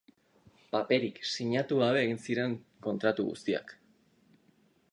Paperik sinatu gabe egin ziren kontratu guztiak.